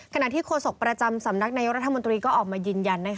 ที่โฆษกประจำสำนักนายกรัฐมนตรีก็ออกมายืนยัน